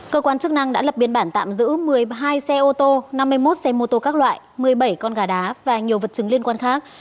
cơ quan chức năng đã lập biên bản tạm giữ một mươi hai xe ô tô năm mươi một xe mô tô các loại một mươi bảy con gà đá và nhiều vật chứng liên quan khác